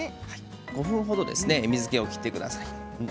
５分程、上げて水けを切ってください。